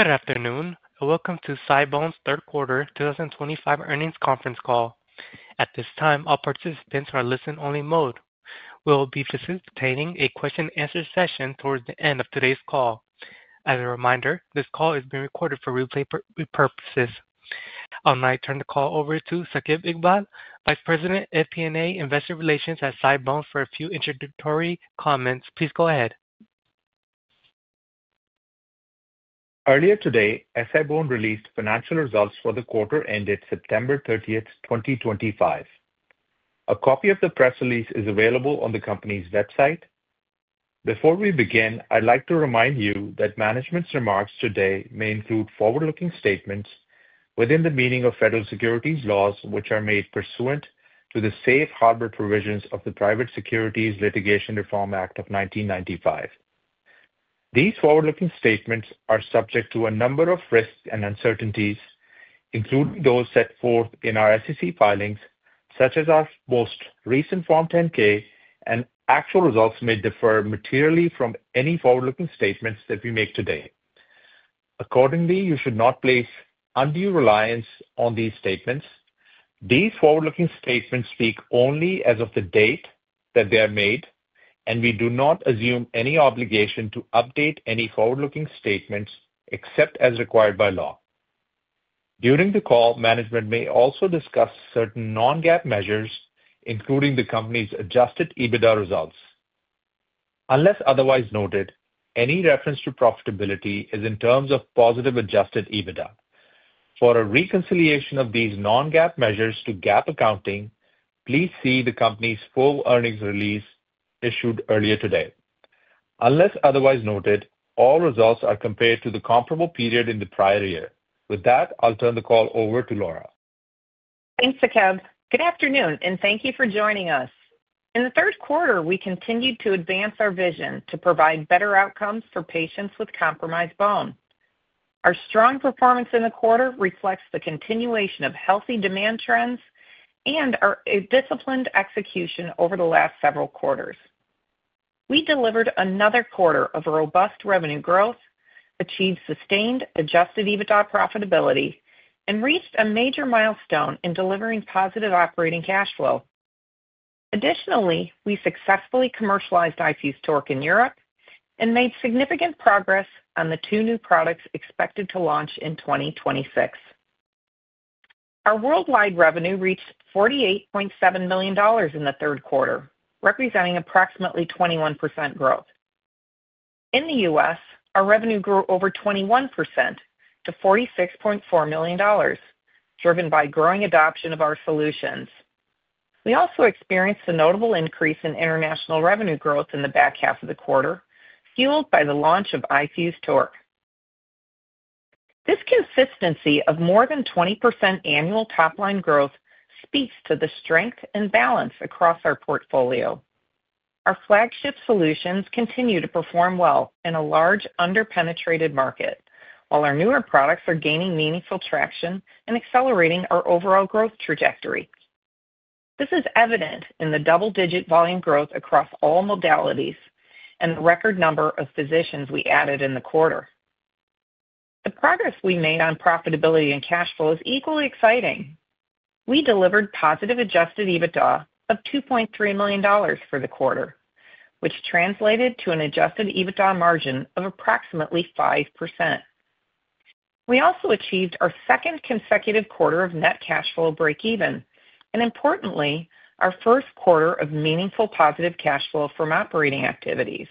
Good afternoon, and welcome to SI-BONE's Third Quarter 2025 Earnings Conference Call. At this time, all participants are in listen-only mode. We will be participating in a question-and-answer session towards the end of today's call. As a reminder, this call is being recorded for repurposes. I'll now turn the call over to Saqib Iqbal, Vice President, FP&A Investor Relations at SI-BONE, for a few introductory comments. Please go ahead. Earlier today, SI-BONE released financial results for the quarter ended September 30th, 2025. A copy of the press release is available on the company's website. Before we begin, I'd like to remind you that management's remarks today may include forward-looking statements within the meaning of federal securities laws, which are made pursuant to the safe harbor provisions of the Private Securities Litigation Reform Act of 1995. These forward-looking statements are subject to a number of risks and uncertainties, including those set forth in our SEC filings, such as our most recent Form 10-K, and actual results may differ materially from any forward-looking statements that we make today. Accordingly, you should not place undue reliance on these statements. These forward-looking statements speak only as of the date that they are made, and we do not assume any obligation to update any forward-looking statements except as required by law. During the call, management may also discuss certain non-GAAP measures, including the company's adjusted EBITDA results. Unless otherwise noted, any reference to profitability is in terms of positive adjusted EBITDA. For a reconciliation of these non-GAAP measures to GAAP accounting, please see the company's full earnings release issued earlier today. Unless otherwise noted, all results are compared to the comparable period in the prior year. With that, I'll turn the call over to Laura. Thanks, Saqib. Good afternoon, and thank you for joining us. In the third quarter, we continued to advance our vision to provide better outcomes for patients with compromised bone. Our strong performance in the quarter reflects the continuation of healthy demand trends and our disciplined execution over the last several quarters. We delivered another quarter of robust revenue growth, achieved sustained adjusted EBITDA profitability, and reached a major milestone in delivering positive operating cash flow. Additionally, we successfully commercialized iFuse TORQ in Europe and made significant progress on the two new products expected to launch in 2026. Our worldwide revenue reached $48.7 million in the third quarter, representing approximately 21% growth. In the U.S., our revenue grew over 21% to $46.4 million, driven by growing adoption of our solutions. We also experienced a notable increase in international revenue growth in the back half of the quarter, fueled by the launch of iFuse TORQ. This consistency of more than 20% annual top-line growth speaks to the strength and balance across our portfolio. Our flagship solutions continue to perform well in a large, under-penetrated market, while our newer products are gaining meaningful traction and accelerating our overall growth trajectory. This is evident in the double-digit volume growth across all modalities and the record number of physicians we added in the quarter. The progress we made on profitability and cash flow is equally exciting. We delivered positive adjusted EBITDA of $2.3 million for the quarter, which translated to an adjusted EBITDA margin of approximately 5%. We also achieved our second consecutive quarter of net cash flow breakeven, and importantly, our first quarter of meaningful positive cash flow from operating activities.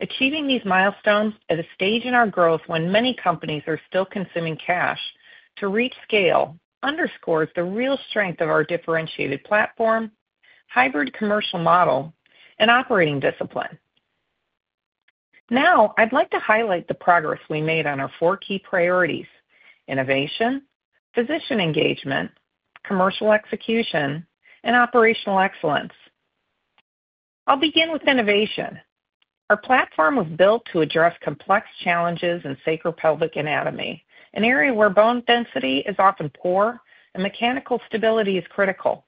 Achieving these milestones at a stage in our growth when many companies are still consuming cash to reach scale underscores the real strength of our differentiated platform, hybrid commercial model, and operating discipline. Now, I'd like to highlight the progress we made on our four key priorities: innovation, physician engagement, commercial execution, and operational excellence. I'll begin with innovation. Our platform was built to address complex challenges in sacro-pelvic anatomy, an area where bone density is often poor and mechanical stability is critical.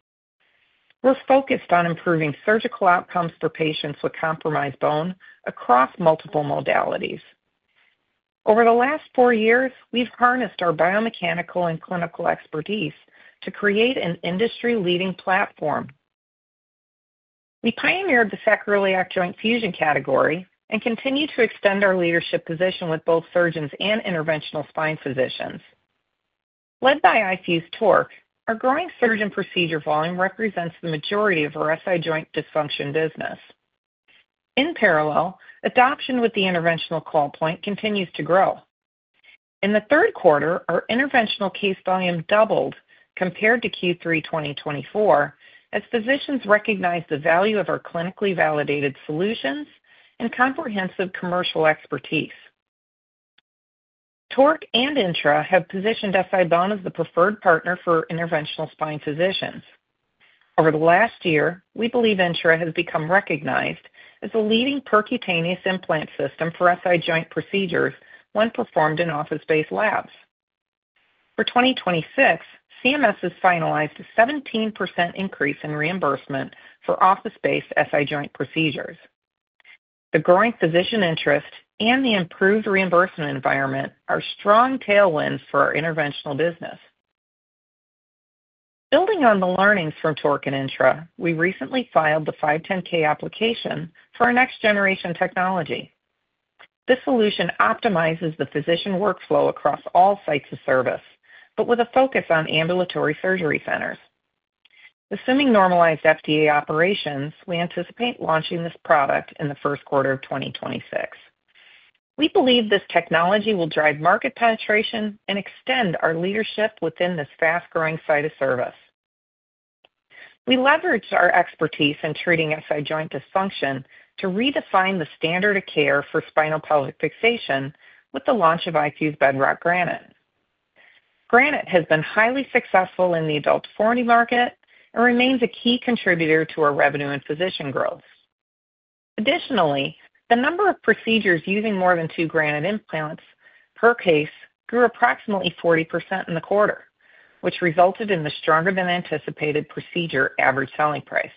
We're focused on improving surgical outcomes for patients with compromised bone across multiple modalities. Over the last four years, we've harnessed our biomechanical and clinical expertise to create an industry-leading platform. We pioneered the sacroiliac joint fusion category and continue to extend our leadership position with both surgeons and interventional spine physicians. Led by iFuse TORQ, our growing surgeon procedure volume represents the majority of our SI joint dysfunction business. In parallel, adoption with the interventional call point continues to grow. In the third quarter, our interventional case volume doubled compared to Q3 2024, as physicians recognized the value of our clinically validated solutions and comprehensive commercial expertise. TORQ and INTRA have positioned SI-BONE as the preferred partner for interventional spine physicians. Over the last year, we believe INTRA has become recognized as the leading percutaneous implant system for SI joint procedures when performed in office-based labs. For 2026, CMS has finalized a 17% increase in reimbursement for office-based SI joint procedures. The growing physician interest and the improved reimbursement environment are strong tailwinds for our interventional business. Building on the learnings from TORQ and INTRA, we recently filed the 510(k) application for our next-generation technology. This solution optimizes the physician workflow across all sites of service, but with a focus on ambulatory surgery centers. Assuming normalized FDA operations, we anticipate launching this product in the first quarter of 2026. We believe this technology will drive market penetration and extend our leadership within this fast-growing site of service. We leveraged our expertise in treating SI joint dysfunction to redefine the standard of care for spinopelvic fixation with the launch of iFuse Bedrock Granite. Granite has been highly successful in the adult deformity market and remains a key contributor to our revenue and physician growth. Additionally, the number of procedures using more than two Granite implants per case grew approximately 40% in the quarter, which resulted in the stronger-than-anticipated procedure average selling price.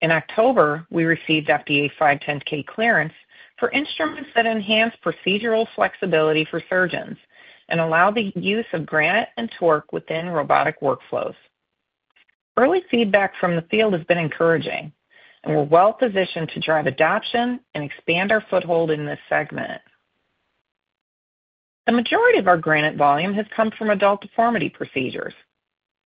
In October, we received FDA 510(k) clearance for instruments that enhance procedural flexibility for surgeons and allow the use of Granite and TORQ within robotic workflows. Early feedback from the field has been encouraging, and we're well-positioned to drive adoption and expand our foothold in this segment. The majority of our Granite volume has come from adult deformity procedures.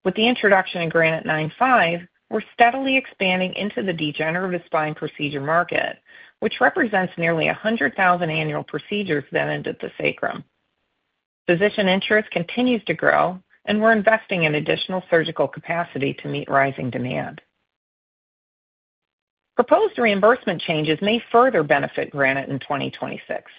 With the introduction of Granite 9/5, we're steadily expanding into the degenerative spine procedure market, which represents nearly 100,000 annual procedures that end at the sacrum. Physician interest continues to grow, and we're investing in additional surgical capacity to meet rising demand. Proposed reimbursement changes may further benefit Granite in 2026.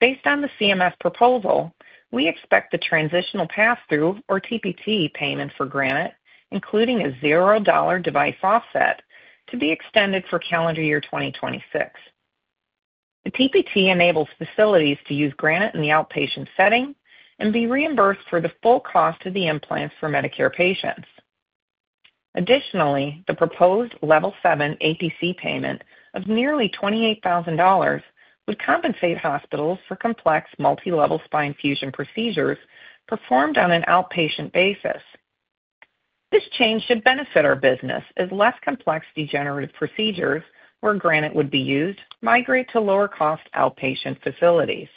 Based on the CMS proposal, we expect the transitional pass-through, or TPT, payment for Granite, including a $0 device offset, to be extended for calendar year 2026. The TPT enables facilities to use Granite in the outpatient setting and be reimbursed for the full cost of the implants for Medicare patients. Additionally, the proposed level 7 APC payment of nearly $28,000 would compensate hospitals for complex multilevel spine fusion procedures performed on an outpatient basis. This change should benefit our business as less complex degenerative procedures, where Granite would be used, migrate to lower-cost outpatient facilities.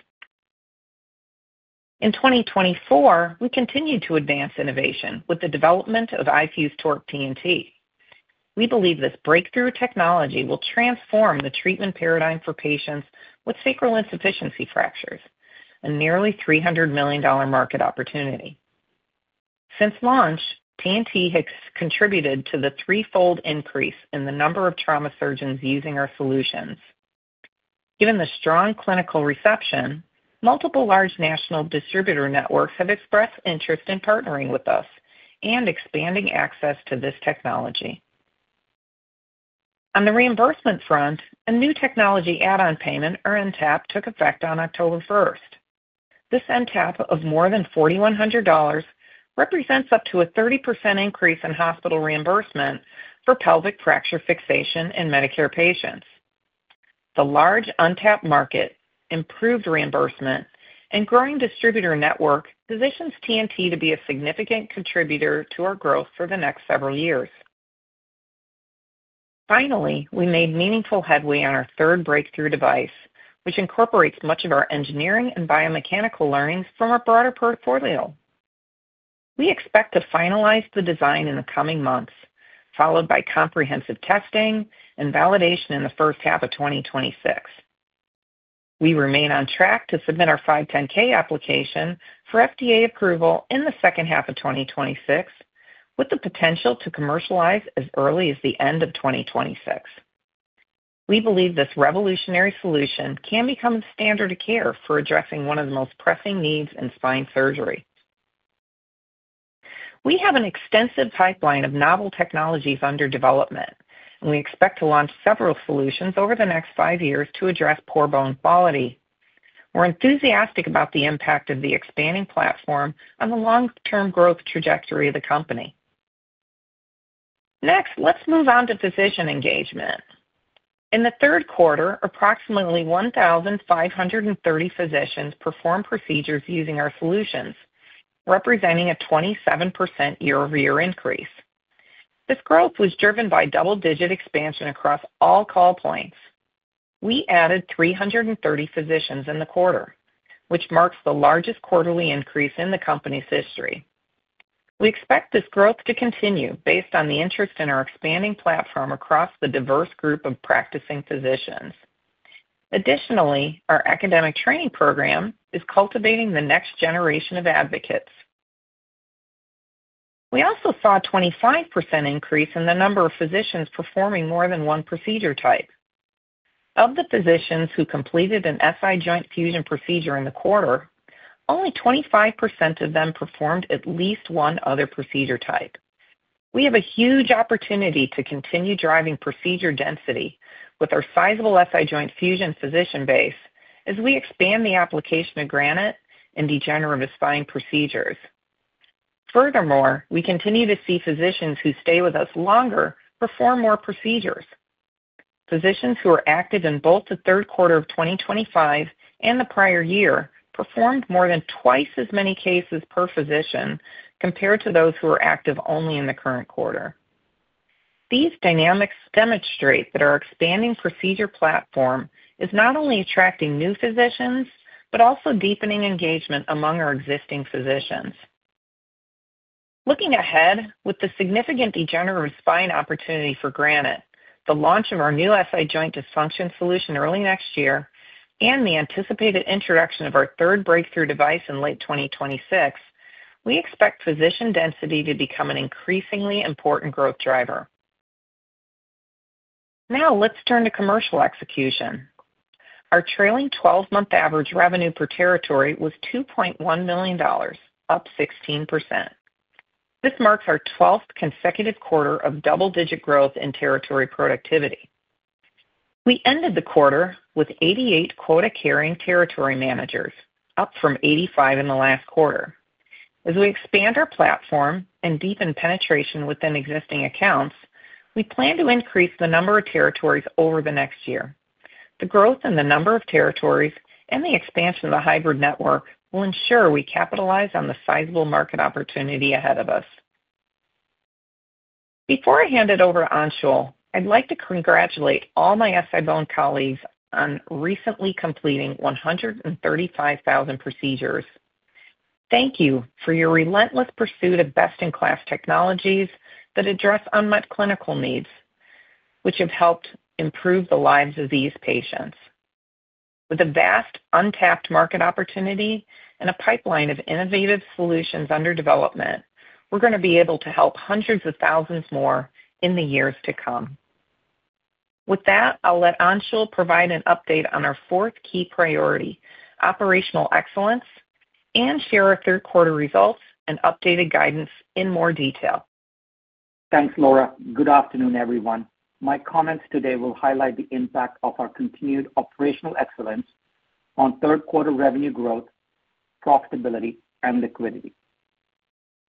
In 2024, we continue to advance innovation with the development of iFuse TORQ TNT. We believe this breakthrough technology will transform the treatment paradigm for patients with sacral insufficiency fractures, a nearly $300 million market opportunity. Since launch, TNT has contributed to the threefold increase in the number of trauma surgeons using our solutions. Given the strong clinical reception, multiple large national distributor networks have expressed interest in partnering with us and expanding access to this technology. On the reimbursement front, a new technology add-on payment, or NTAP, took effect on October 1st. This NTAP of more than $4,100 represents up to a 30% increase in hospital reimbursement for pelvic fracture fixation in Medicare patients. The large NTAP market, improved reimbursement, and growing distributor network position TNT to be a significant contributor to our growth for the next several years. Finally, we made meaningful headway on our third breakthrough device, which incorporates much of our engineering and biomechanical learnings from our broader portfolio. We expect to finalize the design in the coming months, followed by comprehensive testing and validation in the first half of 2026. We remain on track to submit our 510(k) application for FDA approval in the second half of 2026, with the potential to commercialize as early as the end of 2026. We believe this revolutionary solution can become a standard of care for addressing one of the most pressing needs in spine surgery. We have an extensive pipeline of novel technologies under development, and we expect to launch several solutions over the next five years to address poor bone quality. We're enthusiastic about the impact of the expanding platform on the long-term growth trajectory of the company. Next, let's move on to physician engagement. In the third quarter, approximately 1,530 physicians performed procedures using our solutions, representing a 27% year-over-year increase. This growth was driven by double-digit expansion across all call points. We added 330 physicians in the quarter, which marks the largest quarterly increase in the company's history. We expect this growth to continue based on the interest in our expanding platform across the diverse group of practicing physicians. Additionally, our academic training program is cultivating the next generation of advocates. We also saw a 25% increase in the number of physicians performing more than one procedure type. Of the physicians who completed an SI joint fusion procedure in the quarter, only 25% of them performed at least one other procedure type. We have a huge opportunity to continue driving procedure density with our sizable SI joint fusion physician base as we expand the application of Granite in degenerative spine procedures. Furthermore, we continue to see physicians who stay with us longer perform more procedures. Physicians who are active in both the third quarter of 2025 and the prior year performed more than twice as many cases per physician compared to those who are active only in the current quarter. These dynamics demonstrate that our expanding procedure platform is not only attracting new physicians but also deepening engagement among our existing physicians. Looking ahead with the significant degenerative spine opportunity for Granite, the launch of our new SI joint dysfunction solution early next year, and the anticipated introduction of our third breakthrough device in late 2026, we expect physician density to become an increasingly important growth driver. Now, let's turn to commercial execution. Our trailing 12-month average revenue per territory was $2.1 million, up 16%. This marks our 12th consecutive quarter of double-digit growth in territory productivity. We ended the quarter with 88 quota-carrying territory managers, up from 85 in the last quarter. As we expand our platform and deepen penetration within existing accounts, we plan to increase the number of territories over the next year. The growth in the number of territories and the expansion of the hybrid network will ensure we capitalize on the sizable market opportunity ahead of us. Before I hand it over to Anshul, I'd like to congratulate all my SI-BONE colleagues on recently completing 135,000 procedures. Thank you for your relentless pursuit of best-in-class technologies that address unmet clinical needs, which have helped improve the lives of these patients. With a vast untapped market opportunity and a pipeline of innovative solutions under development, we're going to be able to help hundreds of thousands more in the years to come. With that, I'll let Anshul provide an update on our fourth key priority, operational excellence, and share our third-quarter results and updated guidance in more detail. Thanks, Laura. Good afternoon, everyone. My comments today will highlight the impact of our continued operational excellence on third-quarter revenue growth, profitability, and liquidity.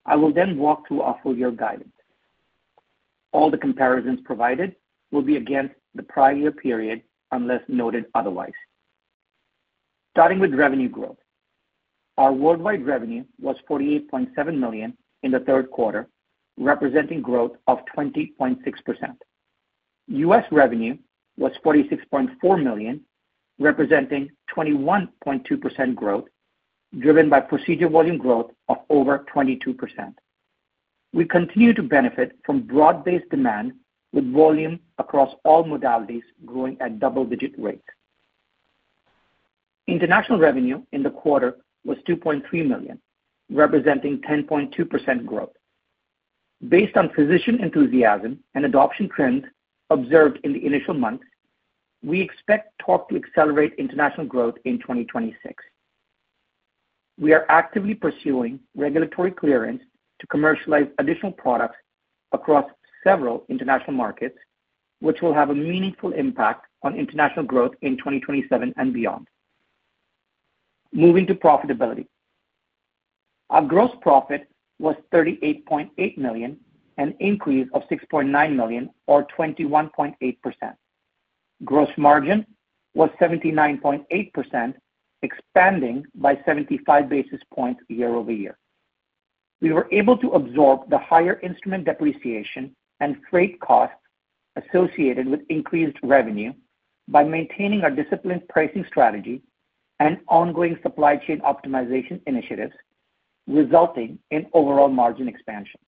I will then walk through our full-year guidance. All the comparisons provided will be against the prior year period unless noted otherwise. Starting with revenue growth, our worldwide revenue was $48.7 million in the third quarter, representing growth of 20.6%. U.S. revenue was $46.4 million, representing 21.2% growth, driven by procedure volume growth of over 22%. We continue to benefit from broad-based demand, with volume across all modalities growing at double-digit rates. International revenue in the quarter was $2.3 million, representing 10.2% growth. Based on physician enthusiasm and adoption trends observed in the initial months, we expect TORQ to accelerate international growth in 2026. We are actively pursuing regulatory clearance to commercialize additional products across several international markets, which will have a meaningful impact on international growth in 2027 and beyond. Moving to profitability. Our gross profit was $38.8 million, an increase of $6.9 million, or 21.8%. Gross margin was 79.8%, expanding by 75 basis points year-over-year. We were able to absorb the higher instrument depreciation and freight costs associated with increased revenue by maintaining our disciplined pricing strategy and ongoing supply chain optimization initiatives, resulting in overall margin expansion.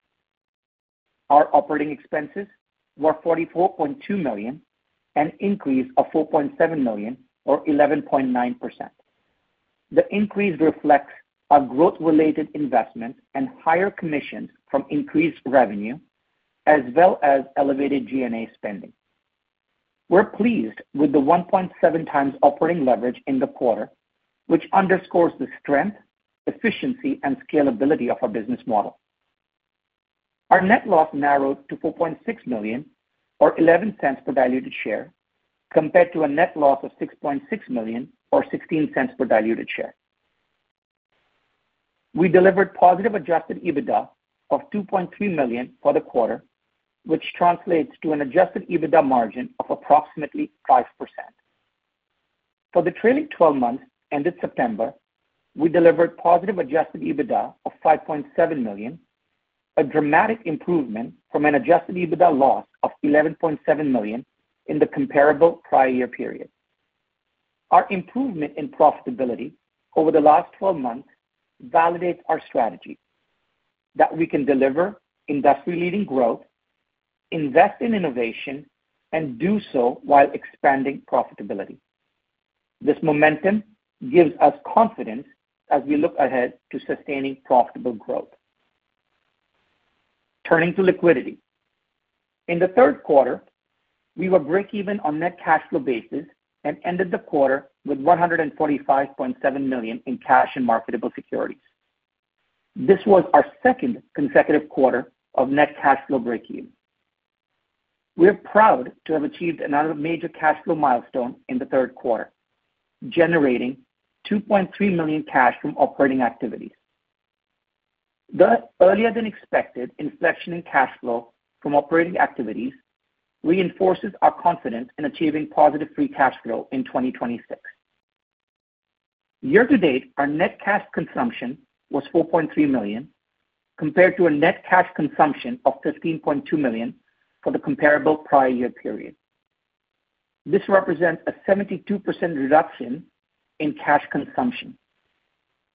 Our operating expenses were $44.2 million, an increase of $4.7 million, or 11.9%. The increase reflects our growth-related investments and higher commissions from increased revenue, as well as elevated G&A spending. We're pleased with the 1.7 x operating leverage in the quarter, which underscores the strength, efficiency, and scalability of our business model. Our net loss narrowed to $4.6 million, or $0.11 per diluted share, compared to a net loss of $6.6 million, or $0.16 per diluted share. We delivered positive adjusted EBITDA of $2.3 million for the quarter, which translates to an adjusted EBITDA margin of approximately 5%. For the trailing 12 months ended September, we delivered positive adjusted EBITDA of $5.7 million, a dramatic improvement from an adjusted EBITDA loss of $11.7 million in the comparable prior year period. Our improvement in profitability over the last 12 months validates our strategy that we can deliver industry-leading growth, invest in innovation, and do so while expanding profitability. This momentum gives us confidence as we look ahead to sustaining profitable growth. Turning to liquidity. In the third quarter, we were break-even on net cash flow basis and ended the quarter with $145.7 million in cash and marketable securities. This was our second consecutive quarter of net cash flow break-even. We are proud to have achieved another major cash flow milestone in the third quarter, generating $2.3 million cash from operating activities. The earlier-than-expected inflection in cash flow from operating activities reinforces our confidence in achieving positive free cash flow in 2026. Year-to-date, our net cash consumption was $4.3 million, compared to a net cash consumption of $15.2 million for the comparable prior year period. This represents a 72% reduction in cash consumption.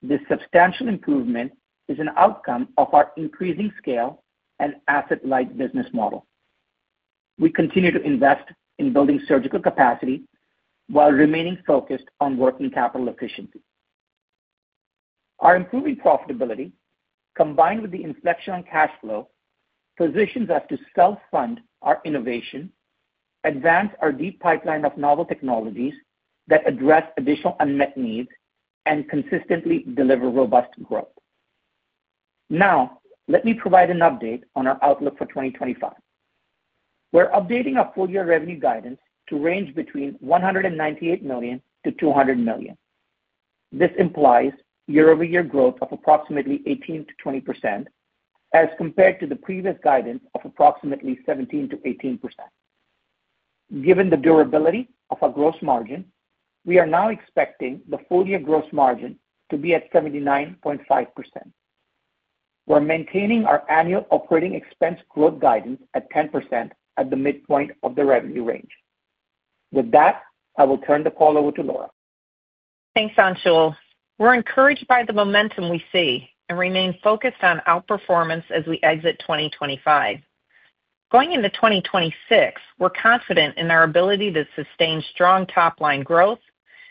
This substantial improvement is an outcome of our increasing scale and asset-light business model. We continue to invest in building surgical capacity while remaining focused on working capital efficiency. Our improving profitability, combined with the inflection on cash flow, positions us to self-fund our innovation, advance our deep pipeline of novel technologies that address additional unmet needs, and consistently deliver robust growth. Now, let me provide an update on our outlook for 2025. We're updating our full-year revenue guidance to range between $198 million-$200 million. This implies year-over-year growth of approximately 18%-20%, as compared to the previous guidance of approximately 17%-18%. Given the durability of our gross margin, we are now expecting the full-year gross margin to be at 79.5%. We're maintaining our annual operating expense growth guidance at 10% at the midpoint of the revenue range. With that, I will turn the call over to Laura. Thanks, Anshul. We're encouraged by the momentum we see and remain focused on outperformance as we exit 2025. Going into 2026, we're confident in our ability to sustain strong top-line growth,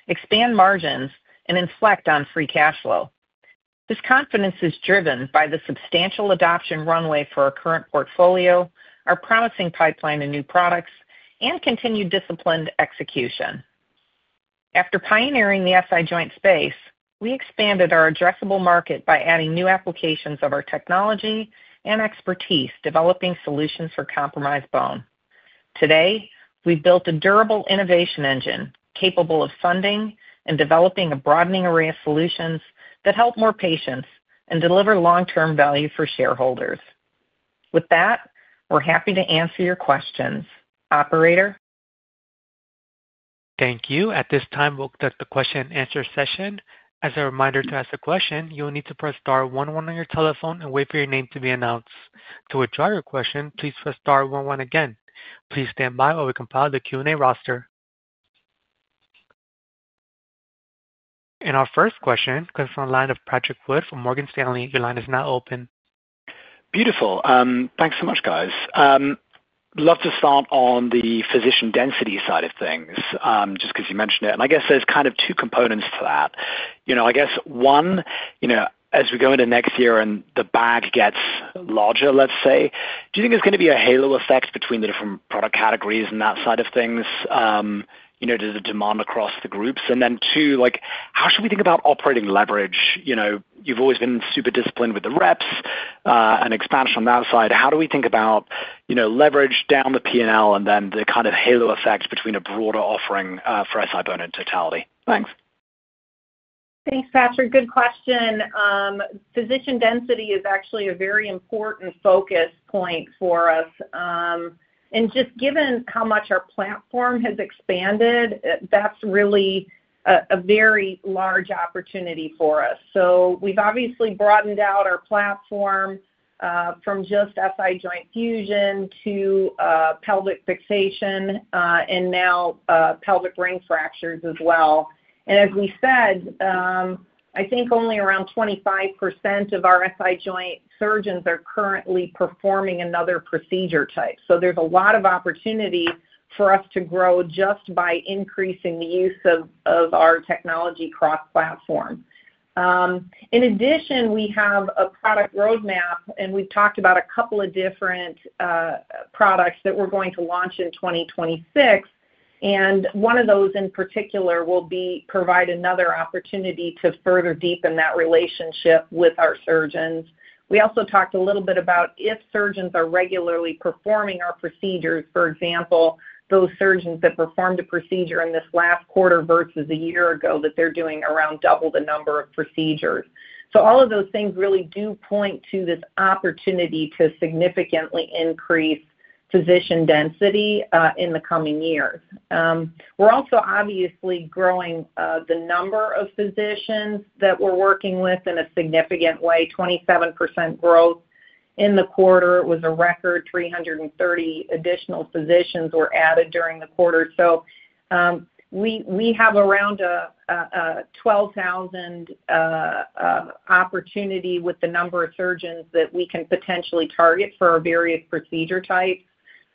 expand margins, and inflect on free cash flow. This confidence is driven by the substantial adoption runway for our current portfolio, our promising pipeline of new products, and continued disciplined execution. After pioneering the SI joint space, we expanded our addressable market by adding new applications of our technology and expertise, developing solutions for compromised bone. Today, we've built a durable innovation engine capable of funding and developing a broadening array of solutions that help more patients and deliver long-term value for shareholders. With that, we're happy to answer your questions, Operator. Thank you. At this time, we'll conduct a question-and-answer session. As a reminder to ask a question, you'll need to press star one one on your telephone and wait for your name to be announced. To withdraw your question, please press star one one again. Please stand by while we compile the Q&A roster. Our first question comes from the line of Patrick Wood from Morgan Stanley. Your line is now open. Beautiful. Thanks so much, guys. Love to start on the physician density side of things, just because you mentioned it. I guess there's kind of two components to that. I guess, one, as we go into next year and the bag gets larger, let's say, do you think there's going to be a halo effect between the different product categories and that side of things? Does the demand across the groups? And then two, how should we think about operating leverage? You've always been super disciplined with the reps and expansion on that side. How do we think about leverage down the P&L and then the kind of halo effect between a broader offering for SI-BONE in totality? Thanks. Thanks, Patrick. Good question. Physician density is actually a very important focus point for us. Just given how much our platform has expanded, that's really a very large opportunity for us. We have obviously broadened out our platform from just SI joint fusion to pelvic fixation and now pelvic ring fractures as well. As we said, I think only around 25% of our SI joint surgeons are currently performing another procedure type. There is a lot of opportunity for us to grow just by increasing the use of our technology cross-platform. In addition, we have a product roadmap, and we have talked about a couple of different products that we are going to launch in 2026. One of those in particular will provide another opportunity to further deepen that relationship with our surgeons. We also talked a little bit about if surgeons are regularly performing our procedures, for example, those surgeons that performed a procedure in this last quarter versus a year ago, that they are doing around double the number of procedures. All of those things really do point to this opportunity to significantly increase physician density in the coming years. We're also obviously growing the number of physicians that we're working with in a significant way, 27% growth in the quarter. It was a record 330 additional physicians were added during the quarter. We have around 12,000 opportunity with the number of surgeons that we can potentially target for our various procedure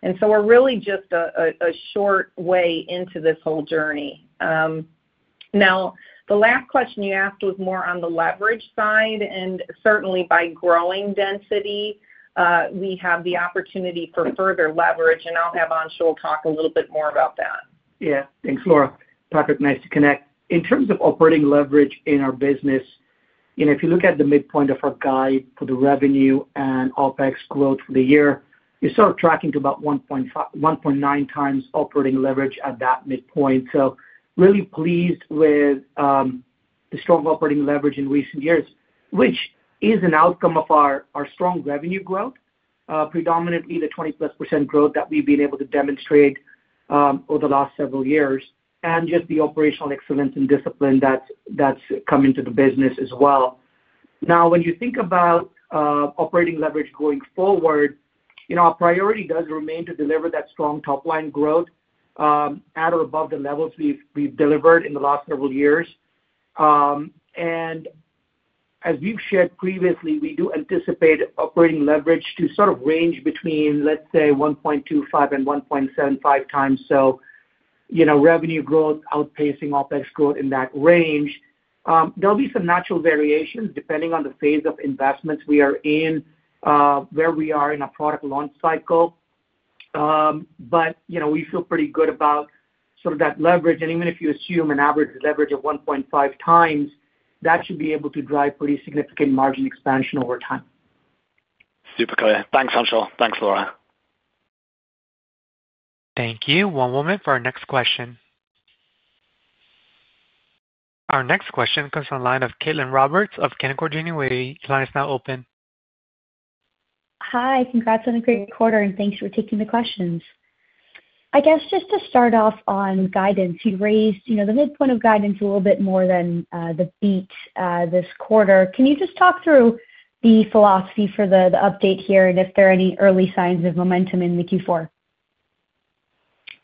types. We're really just a short way into this whole journey. The last question you asked was more on the leverage side. Certainly, by growing density, we have the opportunity for further leverage. I'll have Anshul talk a little bit more about that. Yeah. Thanks, Laura. Patrick, nice to connect. In terms of operating leverage in our business, if you look at the midpoint of our guide for the revenue and OpEx growth for the year, you start tracking to about 1.9 x operating leverage at that midpoint. Really pleased with the strong operating leverage in recent years, which is an outcome of our strong revenue growth, predominantly the 20%+ growth that we've been able to demonstrate over the last several years, and just the operational excellence and discipline that's come into the business as well. Now, when you think about operating leverage going forward, our priority does remain to deliver that strong top-line growth at or above the levels we've delivered in the last several years. As we've shared previously, we do anticipate operating leverage to sort of range between, let's say, 1.25 x-1.75 x. Revenue growth outpacing OpEx growth in that range. There'll be some natural variations depending on the phase of investments we are in, where we are in our product launch cycle. We feel pretty good about sort of that leverage. Even if you assume an average leverage of 1.5 x, that should be able to drive pretty significant margin expansion over time. Super clear. Thanks, Anshul. Thanks, Laura. Thank you. One moment for our next question. Our next question comes from the line of Caitlin Roberts of Canaccord Genuity. The line is now open. Hi. Congrats on a great quarter, and thanks for taking the questions. I guess just to start off on guidance, you raised the midpoint of guidance a little bit more than the beat this quarter. Can you just talk through the philosophy for the update here and if there are any early signs of momentum in the Q4?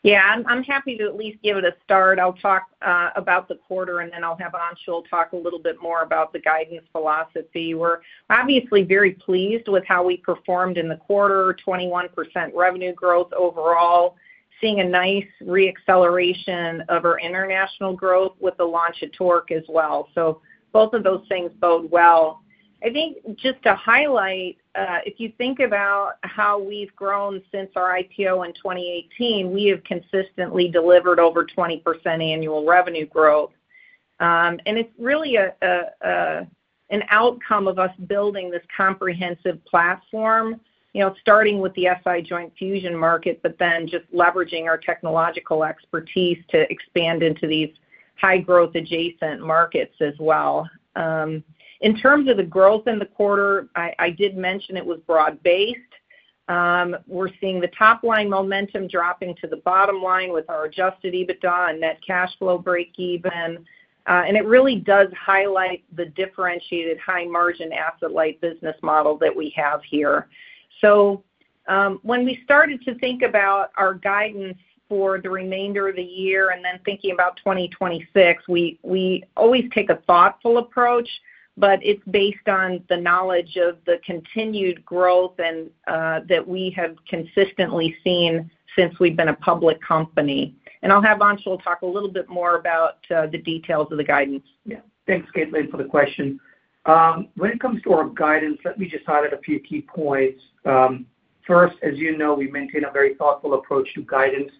Yeah. I'm happy to at least give it a start. I'll talk about the quarter, and then I'll have Anshul talk a little bit more about the guidance philosophy. We're obviously very pleased with how we performed in the quarter, 21% revenue growth overall, seeing a nice re-acceleration of our international growth with the launch at TORQ as well. Both of those things bode well. I think just to highlight, if you think about how we've grown since our IPO in 2018, we have consistently delivered over 20% annual revenue growth. It's really an outcome of us building this comprehensive platform, starting with the SI joint fusion market, but then just leveraging our technological expertise to expand into these high-growth adjacent markets as well. In terms of the growth in the quarter, I did mention it was broad-based. We're seeing the top-line momentum dropping to the bottom line with our adjusted EBITDA and net cash flow break-even. It really does highlight the differentiated high-margin asset-light business model that we have here. When we started to think about our guidance for the remainder of the year and then thinking about 2026, we always take a thoughtful approach, but it's based on the knowledge of the continued growth that we have consistently seen since we've been a public company. I'll have Anshul talk a little bit more about the details of the guidance. Yeah. Thanks, Caitlin, for the question. When it comes to our guidance, let me just highlight a few key points. First, as you know, we maintain a very thoughtful approach to guidance.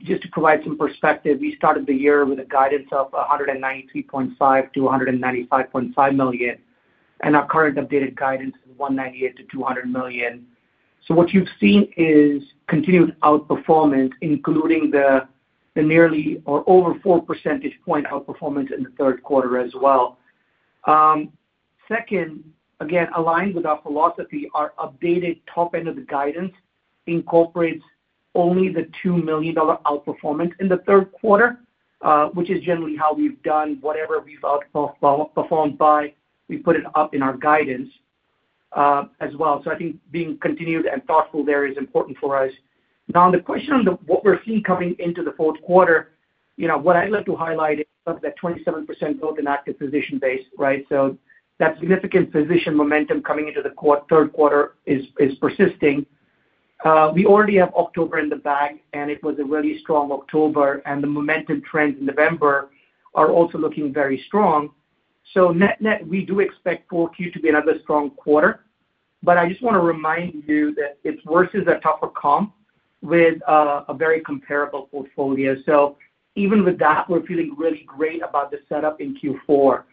Just to provide some perspective, we started the year with a guidance of $193.5-$195.5 million. Our current updated guidance is $198 million-$200 million. What you've seen is continued outperformance, including the nearly or over 4 percentage point outperformance in the third quarter as well. Second, again, aligned with our philosophy, our updated top end of the guidance incorporates only the $2 million outperformance in the third quarter, which is generally how we've done. Whatever we've outperformed by, we put it up in our guidance as well. I think being continued and thoughtful there is important for us. Now, on the question on what we're seeing coming into the fourth quarter, what I'd like to highlight is that 27% growth in active physician base, right? That significant physician momentum coming into the third quarter is persisting. We already have October in the bag, and it was a really strong October. The momentum trends in November are also looking very strong. We do expect four Q to be another strong quarter. I just want to remind you that it is versus the tougher comp with a very comparable portfolio. Even with that, we're feeling really great about the setup in Q4.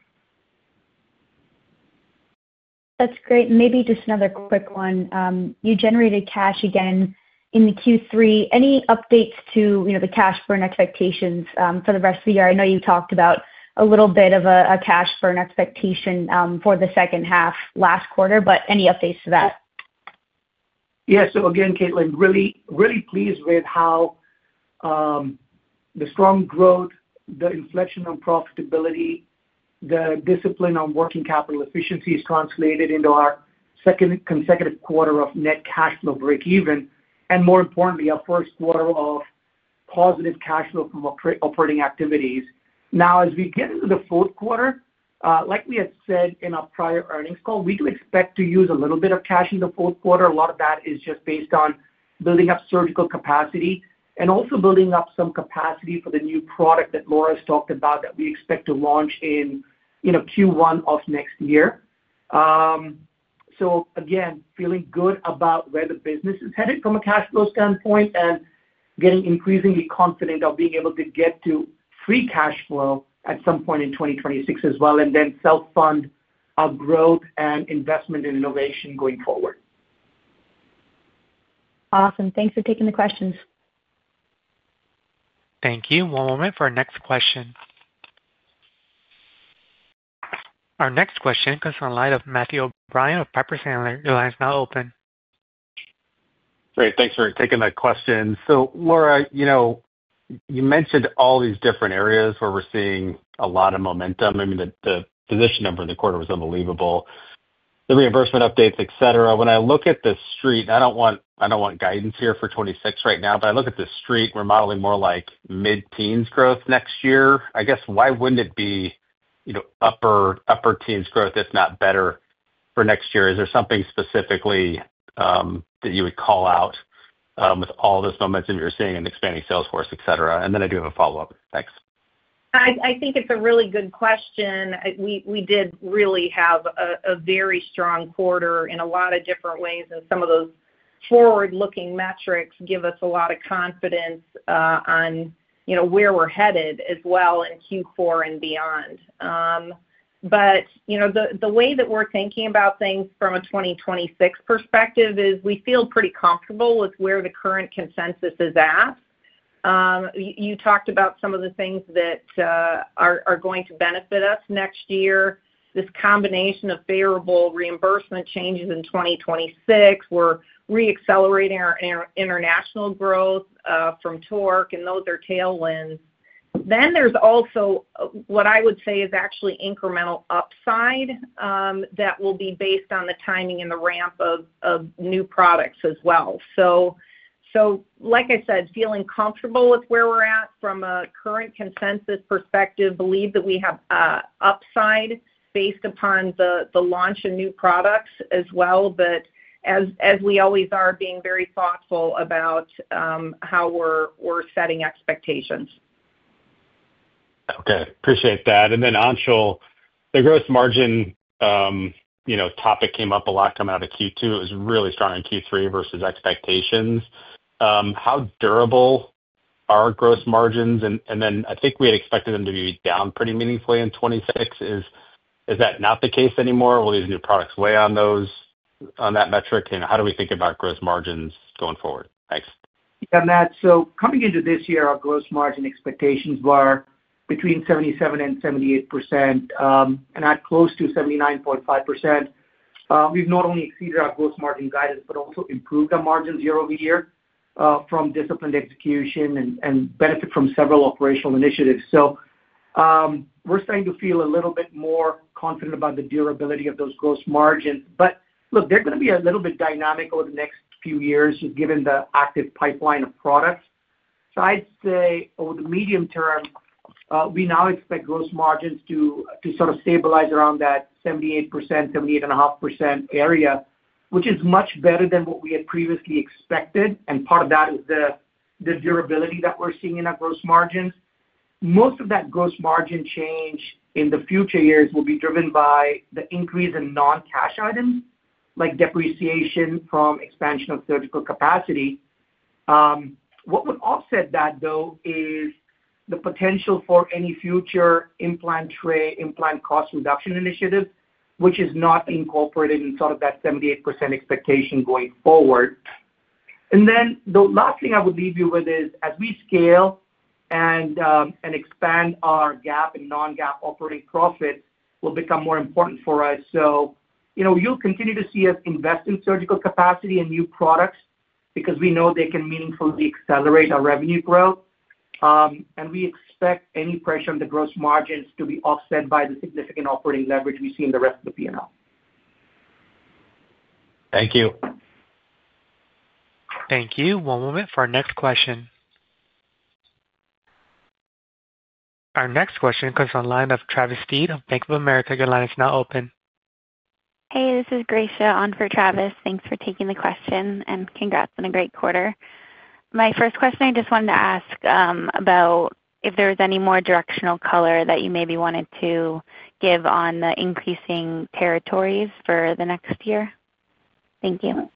That's great. Maybe just another quick one. You generated cash again in Q3. Any updates to the cash burn expectations for the rest of the year? I know you talked about a little bit of a cash burn expectation for the second half last quarter, but any updates to that? Yeah. Again, Caitlin, really pleased with how the strong growth, the inflection on profitability, the discipline on working capital efficiency has translated into our second consecutive quarter of net cash flow break-even, and more importantly, our first quarter of positive cash flow from operating activities. Now, as we get into the fourth quarter, like we had said in our prior earnings call, we do expect to use a little bit of cash in the fourth quarter. A lot of that is just based on building up surgical capacity and also building up some capacity for the new product that Laura has talked about that we expect to launch in Q1 of next year. Again, feeling good about where the business is headed from a cash flow standpoint and getting increasingly confident of being able to get to free cash flow at some point in 2026 as well, and then self-fund our growth and investment in innovation going forward. Awesome. Thanks for taking the questions. Thank you. One moment for our next question. Our next question comes from the line of Matthew O'Brien of Piper Sandler. The line is now open. Great. Thanks for taking that question. Laura, you mentioned all these different areas where we're seeing a lot of momentum. I mean, the physician number in the quarter was unbelievable. The reimbursement updates, etc. When I look at the street, and I don't want guidance here for 2026 right now, but I look at the street, we're modeling more like mid-teens growth next year. I guess, why wouldn't it be upper teens growth, if not better, for next year? Is there something specifically that you would call out with all this momentum you're seeing and expanding sales force, etc.? I do have a follow-up. Thanks. I think it's a really good question. We did really have a very strong quarter in a lot of different ways. Some of those forward-looking metrics give us a lot of confidence on where we're headed as well in Q4 and beyond. The way that we're thinking about things from a 2026 perspective is we feel pretty comfortable with where the current consensus is at. You talked about some of the things that are going to benefit us next year. This combination of favorable reimbursement changes in 2026, we're re-accelerating our international growth from TORQ, and those are tailwinds. There is also what I would say is actually incremental upside that will be based on the timing and the ramp of new products as well. Like I said, feeling comfortable with where we're at from a current consensus perspective, believe that we have upside based upon the launch of new products as well, but as we always are, being very thoughtful about how we're setting expectations. Okay. Appreciate that. Then Anshul, the gross margin topic came up a lot coming out of Q2. It was really strong in Q3 versus expectations. How durable are our gross margins? Then I think we had expected them to be down pretty meaningfully in 2026. Is that not the case anymore? Will these new products weigh on that metric? How do we think about gross margins going forward? Thanks. Yeah. Coming into this year, our gross margin expectations were between 77%-78%, and at close to 79.5%, we've not only exceeded our gross margin guidance, but also improved our margins year-over-year from disciplined execution and benefit from several operational initiatives. We're starting to feel a little bit more confident about the durability of those gross margins. Look, they're going to be a little bit dynamic over the next few years, just given the active pipeline of products. I'd say over the medium term, we now expect gross margins to sort of stabilize around that 78%-78.5% area, which is much better than what we had previously expected. Part of that is the durability that we're seeing in our gross margins. Most of that gross margin change in the future years will be driven by the increase in non-cash items, like depreciation from expansion of surgical capacity. What would offset that, though, is the potential for any future implant tray, implant cost reduction initiative, which is not incorporated in sort of that 78% expectation going forward. The last thing I would leave you with is, as we scale and expand, our GAAP and non-GAAP operating profits will become more important for us. You'll continue to see us invest in surgical capacity and new products because we know they can meaningfully accelerate our revenue growth. We expect any pressure on the gross margins to be offset by the significant operating leverage we see in the rest of the P&L. Thank you. Thank you. One moment for our next question. Our next question comes from the line of Travis Steed of Bank of America. Your line is now open. Hey, this is Gracia on for Travis. Thanks for taking the question, and congrats on a great quarter. My first question, I just wanted to ask about if there was any more directional color that you maybe wanted to give on the increasing territories for the next year. Thank you.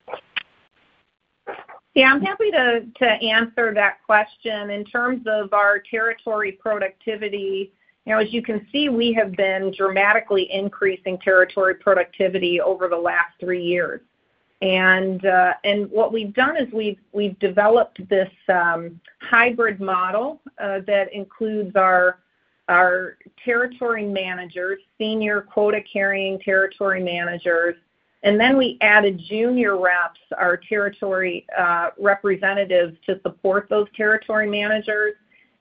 Yeah. I'm happy to answer that question. In terms of our territory productivity, as you can see, we have been dramatically increasing territory productivity over the last three years. What we've done is we've developed this hybrid model that includes our territory managers, senior quota-carrying territory managers, and then we added junior reps, our territory representatives to support those territory managers.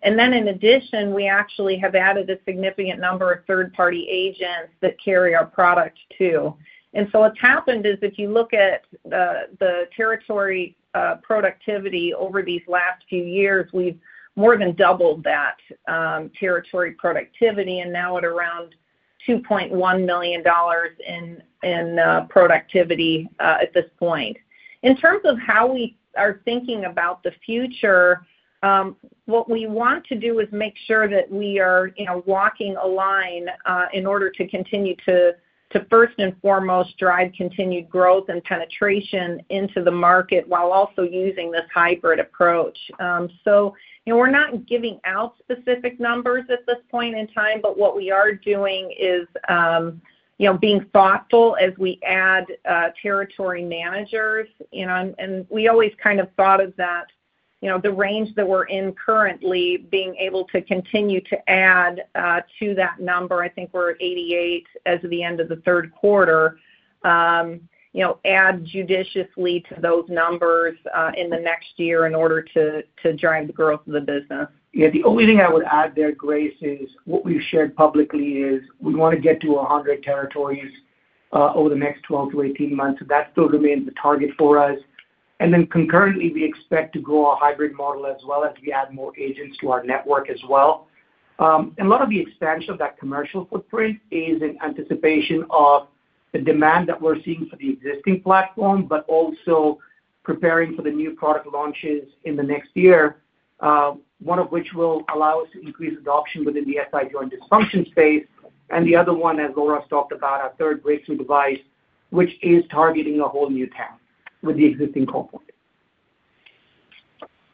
In addition, we actually have added a significant number of third-party agents that carry our product too. What's happened is if you look at the territory productivity over these last few years, we've more than doubled that territory productivity and now at around $2.1 million in productivity at this point. In terms of how we are thinking about the future, what we want to do is make sure that we are walking a line in order to continue to, first and foremost, drive continued growth and penetration into the market while also using this hybrid approach. We are not giving out specific numbers at this point in time, but what we are doing is being thoughtful as we add territory managers. We always kind of thought of that the range that we are in currently, being able to continue to add to that number, I think we are at 88 as of the end of the third quarter, add judiciously to those numbers in the next year in order to drive the growth of the business. Yeah. The only thing I would add there, Gracia, is what we've shared publicly is we want to get to 100 territories over the next 12-18 months. That still remains the target for us. Concurrently, we expect to grow our hybrid model as we add more agents to our network as well. A lot of the expansion of that commercial footprint is in anticipation of the demand that we're seeing for the existing platform, but also preparing for the new product launches in the next year, one of which will allow us to increase adoption within the SI joint dysfunction space. The other one, as Laura has talked about, our third bracing device, is targeting a whole new town with the existing core point.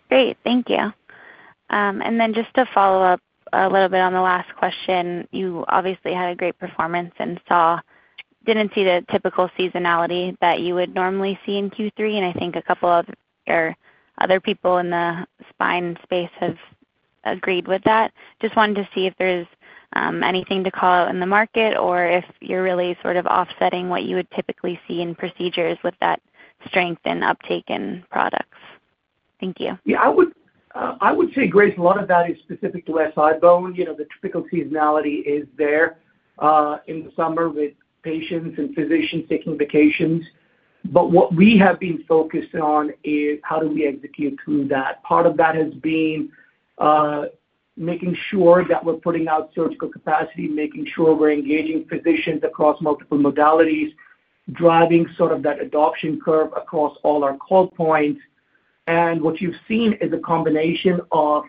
Great. Thank you. Just to follow up a little bit on the last question, you obviously had a great performance and did not see the typical seasonality that you would normally see in Q3. I think a couple of other people in the spine space have agreed with that. Just wanted to see if there is anything to call out in the market or if you are really sort of offsetting what you would typically see in procedures with that strength and uptake in products. Thank you. Yeah. I would say, Gracia, a lot of that is specific to SI-BONE. The typical seasonality is there in the summer with patients and physicians taking vacations. What we have been focused on is how do we execute through that. Part of that has been making sure that we're putting out surgical capacity, making sure we're engaging physicians across multiple modalities, driving sort of that adoption curve across all our core points. What you've seen is a combination of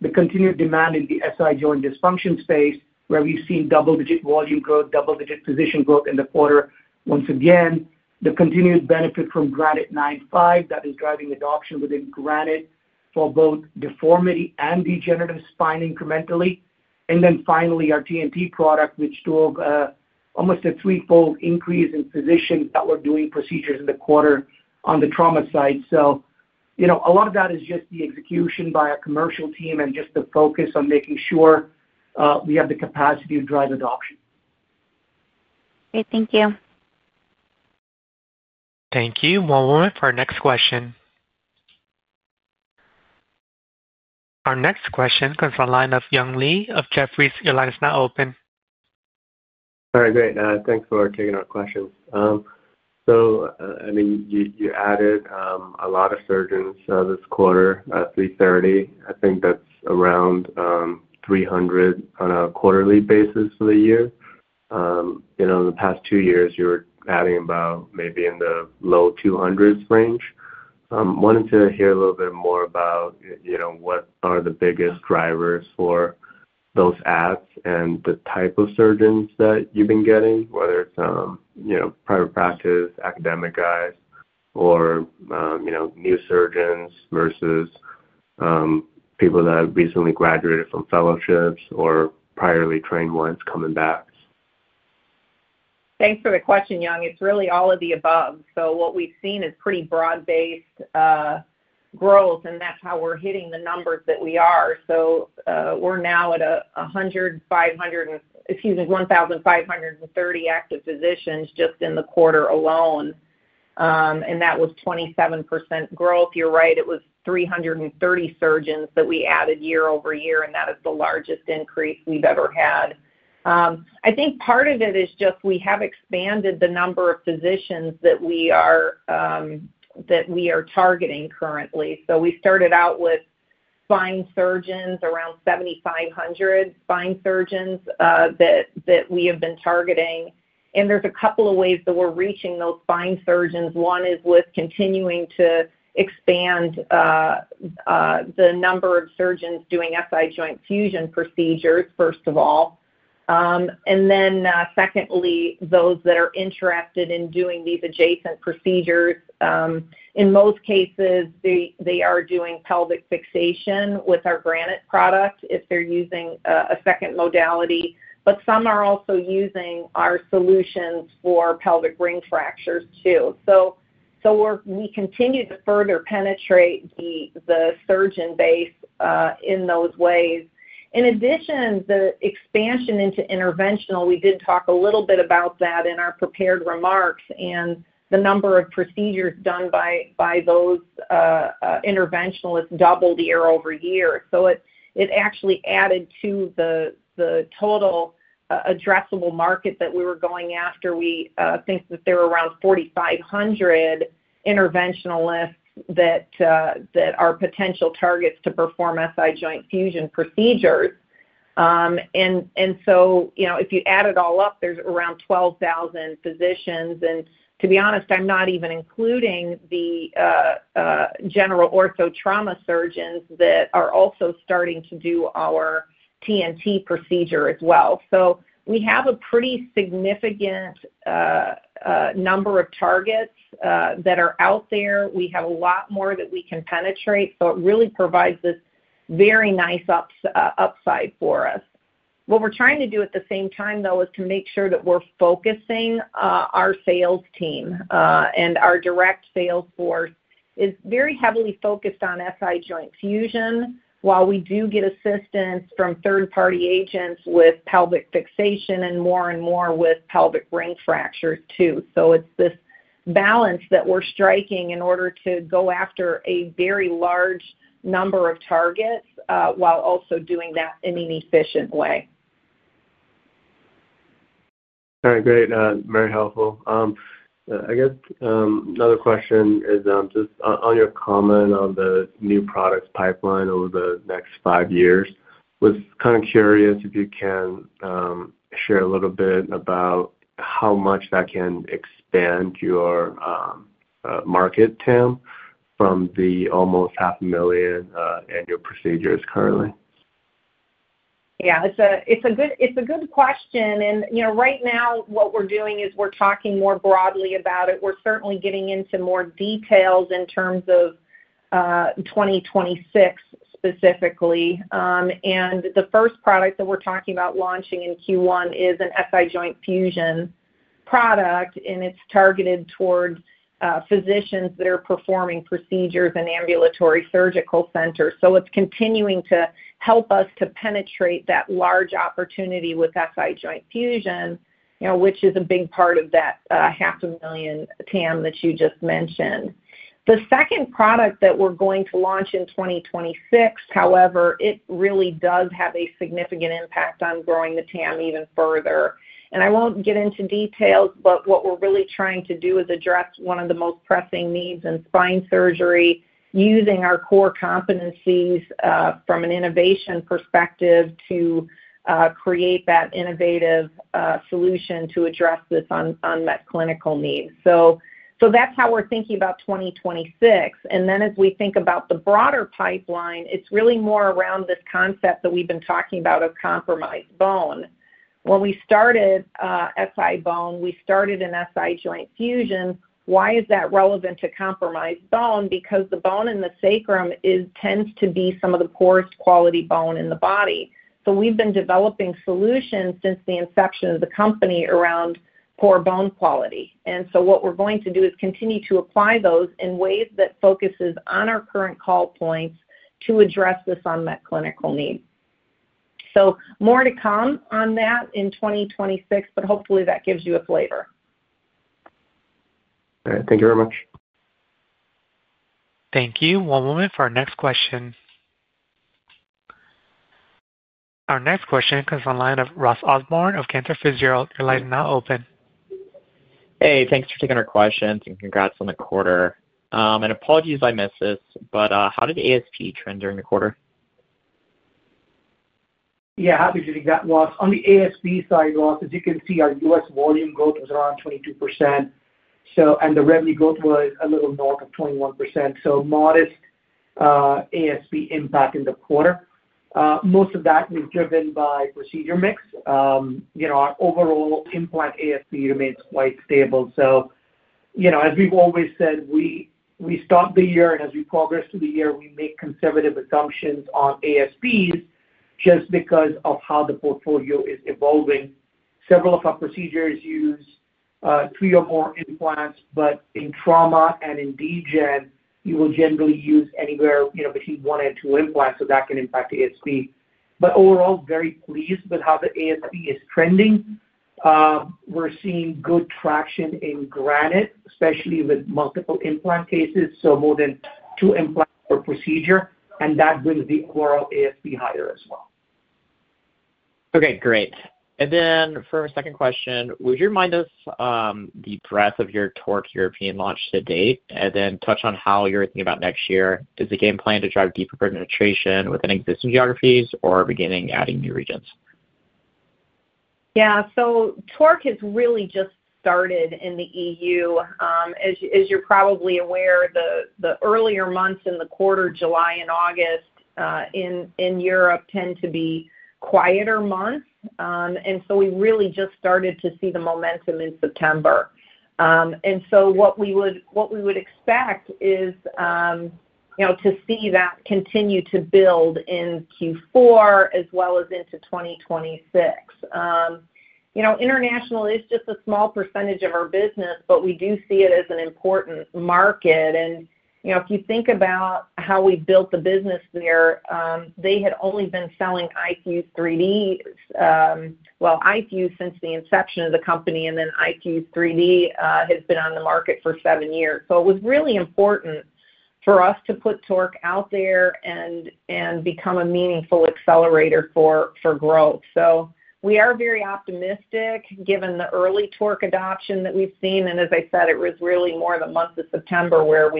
the continued demand in the SI joint dysfunction space, where we've seen double-digit volume growth, double-digit physician growth in the quarter. Once again, the continued benefit from Granite 9/5 that is driving adoption within Granite for both deformity and degenerative spine incrementally. Finally, our TNT product, which drove almost a threefold increase in physicians that were doing procedures in the quarter on the trauma side. A lot of that is just the execution by our commercial team and just the focus on making sure we have the capacity to drive adoption. Great. Thank you. Thank you. One moment for our next question. Our next question comes from the line of Young Li of Jefferies. Your line is now open. All right. Great. Thanks for taking our questions. I mean, you added a lot of surgeons this quarter at 330. I think that's around 300 on a quarterly basis for the year. In the past two years, you were adding about maybe in the low 200s range. Wanted to hear a little bit more about what are the biggest drivers for those adds and the type of surgeons that you've been getting, whether it's private practice, academic guys, or new surgeons versus people that recently graduated from fellowships or priorly trained ones coming back. Thanks for the question, Young. It's really all of the above. What we've seen is pretty broad-based growth, and that's how we're hitting the numbers that we are. We're now at 1,530 active physicians just in the quarter alone, and that was 27% growth. You're right. It was 330 surgeons that we added year-over-year, and that is the largest increase we've ever had. I think part of it is just we have expanded the number of physicians that we are targeting currently. We started out with spine surgeons, around 7,500 spine surgeons that we have been targeting. There are a couple of ways that we're reaching those spine surgeons. One is with continuing to expand the number of surgeons doing SI joint fusion procedures, first of all. Then, those that are interested in doing these adjacent procedures. In most cases, they are doing pelvic fixation with our Granite product if they're using a second modality. Some are also using our solutions for pelvic ring fractures too. We continue to further penetrate the surgeon base in those ways. In addition, the expansion into interventional, we did talk a little bit about that in our prepared remarks. The number of procedures done by those interventionalists doubled year-over-year. It actually added to the total addressable market that we were going after. We think that there are around 4,500 interventionalists that are potential targets to perform SI joint fusion procedures. If you add it all up, there are around 12,000 physicians. To be honest, I'm not even including the general ortho trauma surgeons that are also starting to do our TNT procedure as well. We have a pretty significant number of targets that are out there. We have a lot more that we can penetrate. It really provides this very nice upside for us. What we're trying to do at the same time, though, is to make sure that we're focusing our sales team. Our direct sales force is very heavily focused on SI joint fusion, while we do get assistance from third-party agents with pelvic fixation and more and more with pelvic ring fractures too. It is this balance that we're striking in order to go after a very large number of targets while also doing that in an efficient way. All right. Great. Very helpful. I guess another question is just on your comment on the new products pipeline over the next five years. I was kind of curious if you can share a little bit about how much that can expand your market, Tim, from the almost 500,000 annual procedures currently. Yeah. It's a good question. Right now, what we're doing is we're talking more broadly about it. We're certainly getting into more details in terms of 2026 specifically. The first product that we're talking about launching in Q1 is an SI joint fusion product, and it's targeted towards physicians that are performing procedures in ambulatory surgical centers. It is continuing to help us to penetrate that large opportunity with SI joint fusion, which is a big part of that 500,000, Tim, that you just mentioned. The second product that we're going to launch in 2026, however, it really does have a significant impact on growing the TAM even further. I will not get into details, but what we are really trying to do is address one of the most pressing needs in spine surgery using our core competencies from an innovation perspective to create that innovative solution to address this unmet clinical need. That is how we are thinking about 2026. As we think about the broader pipeline, it is really more around this concept that we have been talking about of compromised bone. When we started SI-BONE, we started in SI joint fusion. Why is that relevant to compromised bone? Because the bone in the sacrum tends to be some of the poorest quality bone in the body. We have been developing solutions since the inception of the company around poor bone quality. What we're going to do is continue to apply those in ways that focus on our current call points to address this unmet clinical need. More to come on that in 2026, but hopefully that gives you a flavor. All right. Thank you very much. Thank you. One moment for our next question. Our next question comes from the line of Ross Osborn of Cantor Fitzgerald. Your line is now open. Hey. Thanks for taking our questions and congrats on the quarter. Apologies if I missed this, but how did ASP trend during the quarter? Yeah. Happy to dig that, Ross. On the ASP side, Ross, as you can see, our U.S. volume growth was around 22%, and the revenue growth was a little north of 21%. Modest ASP impact in the quarter. Most of that was driven by procedure mix. Our overall implant ASP remains quite stable. As we've always said, we start the year, and as we progress through the year, we make conservative assumptions on ASPs just because of how the portfolio is evolving. Several of our procedures use three or more implants, but in trauma and in Degen, you will generally use anywhere between one and two implants, so that can impact ASP. Overall, very pleased with how the ASP is trending. We're seeing good traction in Granite, especially with multiple implant cases, so more than two implants per procedure, and that brings the overall ASP higher as well. Okay. Great. For our second question, would you remind us the breadth of your TORQ European launch to date and then touch on how you're thinking about next year? Is the game plan to drive deeper penetration within existing geographies or beginning adding new regions? Yeah. TORQ has really just started in the EU. As you're probably aware, the earlier months in the quarter, July and August in Europe, tend to be quieter months. We really just started to see the momentum in September. What we would expect is to see that continue to build in Q4 as well as into 2026. International is just a small percentage of our business, but we do see it as an important market. If you think about how we built the business there, they had only been selling iFuse, well, iFuse since the inception of the company, and then iFuse 3D has been on the market for seven years. It was really important for us to put TORQ out there and become a meaningful accelerator for growth. We are very optimistic given the early TORQ adoption that we've seen. As I said, it was really more the month of September where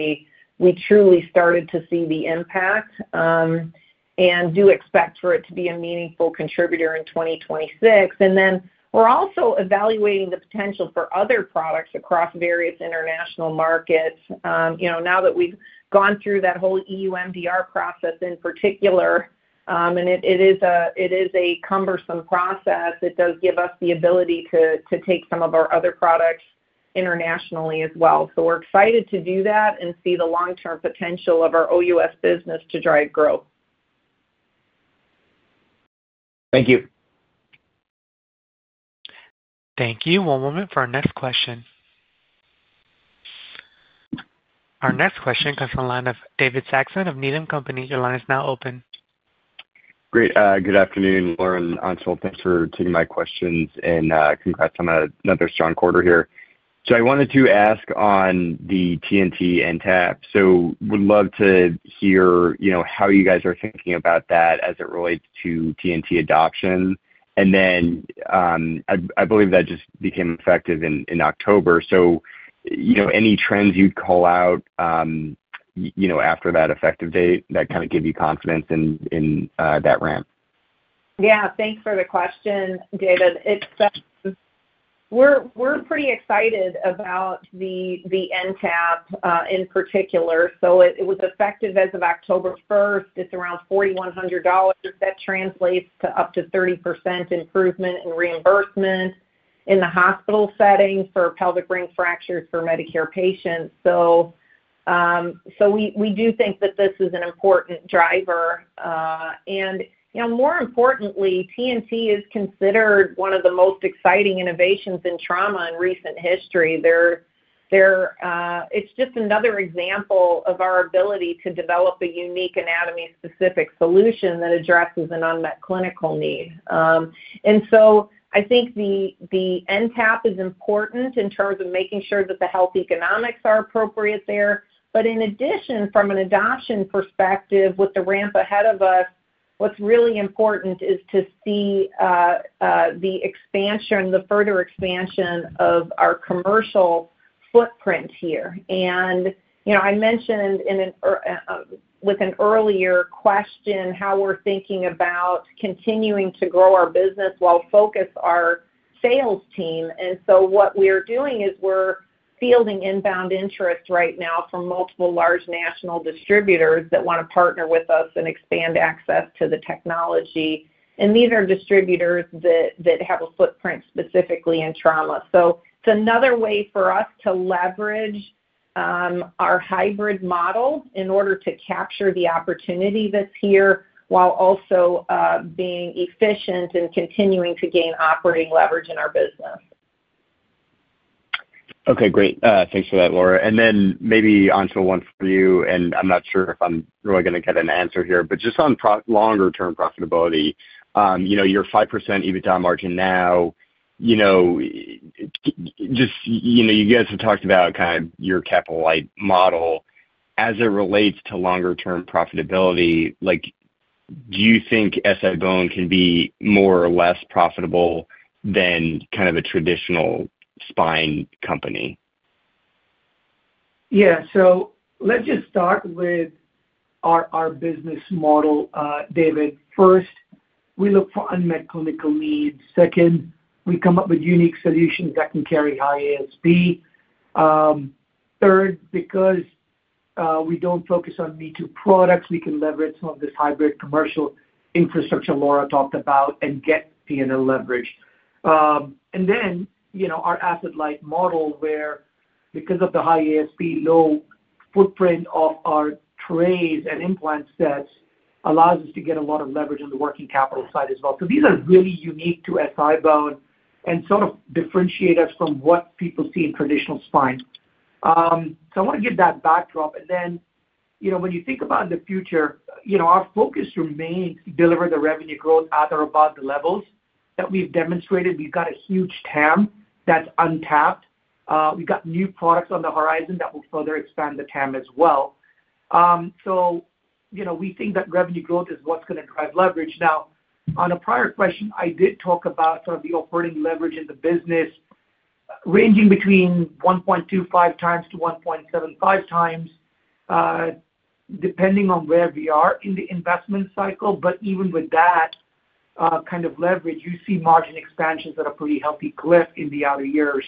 we truly started to see the impact and do expect for it to be a meaningful contributor in 2026. We are also evaluating the potential for other products across various international markets now that we've gone through that whole EU MDR process in particular. It is a cumbersome process. It does give us the ability to take some of our other products internationally as well. We are excited to do that and see the long-term potential of our OUS business to drive growth. Thank you. Thank you. One moment for our next question. Our next question comes from the line of David Saxon of Needham & Company. Your line is now open. Great. Good afternoon, Laura and Anshul. Thanks for taking my questions and congrats on another strong quarter here. I wanted to ask on the TNT and NTAP. Would love to hear how you guys are thinking about that as it relates to TNT adoption. I believe that just became effective in October. Any trends you'd call out after that effective date that kind of give you confidence in that ramp? Yeah. Thanks for the question, David. We're pretty excited about the NTAP in particular. It was effective as of October 1at. It's around $4,100. That translates to up to 30% improvement in reimbursement in the hospital setting for pelvic ring fractures for Medicare patients. We do think that this is an important driver. More importantly, TNT is considered one of the most exciting innovations in trauma in recent history. It's just another example of our ability to develop a unique anatomy-specific solution that addresses an unmet clinical need. I think the NTAP is important in terms of making sure that the health economics are appropriate there. In addition, from an adoption perspective, with the ramp ahead of us, what's really important is to see the further expansion of our commercial footprint here. I mentioned with an earlier question how we're thinking about continuing to grow our business while focusing on our sales team. What we are doing is we're fielding inbound interest right now from multiple large national distributors that want to partner with us and expand access to the technology. These are distributors that have a footprint specifically in trauma. It's another way for us to leverage our hybrid model in order to capture the opportunity that's here while also being efficient and continuing to gain operating leverage in our business. Okay. Great. Thanks for that, Laura. And then maybe Anshul, one for you, and I'm not sure if I'm really going to get an answer here, but just on longer-term profitability, your 5% EBITDA margin now, you guys have talked about kind of your capital light model. As it relates to longer-term profitability, do you think SI-BONE can be more or less profitable than kind of a traditional spine company? Yeah. Let's just start with our business model, David. First, we look for unmet clinical needs. Second, we come up with unique solutions that can carry high ASP. Third, because we do not focus on me-too products, we can leverage some of this hybrid commercial infrastructure Laura talked about and get P&L leverage. Then our asset-light model where, because of the high ASP, low footprint of our trays and implant sets, allows us to get a lot of leverage on the working capital side as well. These are really unique to SI-BONE and sort of differentiate us from what people see in traditional spine. I want to give that backdrop. When you think about the future, our focus remains to deliver the revenue growth at or above the levels that we have demonstrated. We have got a huge TAM that is untapped. We have got new products on the horizon that will further expand the TAM as well. We think that revenue growth is what is going to drive leverage. Now, on a prior question, I did talk about sort of the operating leverage in the business ranging between 1.25 x-1.75 times, depending on where we are in the investment cycle. Even with that kind of leverage, you see margin expansions that are pretty healthy cliff in the outer years.